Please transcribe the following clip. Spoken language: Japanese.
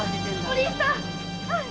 お凛さん！